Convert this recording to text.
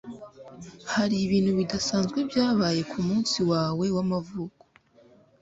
Hari ibintu bidasanzwe byabaye kumunsi wawe wamavuko